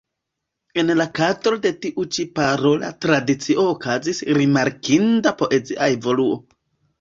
En la kadro de tiu ĉi parola tradicio okazis rimarkinda poezia evoluo.